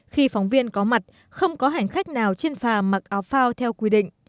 khi phóng viên có mặt không có hành khách nào trên phà mặc áo phao theo quy định